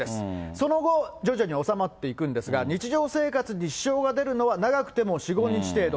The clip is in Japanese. その後、徐々に収まっていくんですが、日常生活に支障が出るのは、長くても４、５日程度。